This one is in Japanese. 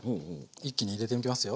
一気に入れていきますよ。